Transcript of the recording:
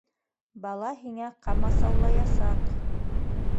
Бала һиңә ҡамасаулаясаҡ!